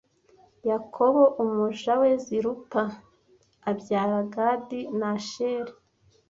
Yakobo umuja we Zilupa abyara Gadi na Asheri